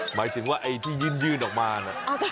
หมายถึงว่าไอ้ที่ยื่นออกมาน่ะ